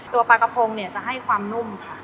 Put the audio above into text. ตัวปลากระโพงจะให้ความนุ่มค่ะ